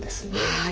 はい。